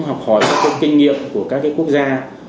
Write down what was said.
học hỏi các kinh nghiệm của các quốc gia